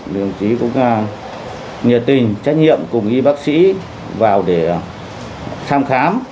đồng chí cũng nhiệt tình trách nhiệm cùng y bác sĩ vào để thăm khám